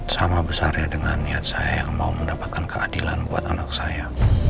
sama besarnya dengan niat saya yang mau mendapatkan keadilan buat anak saya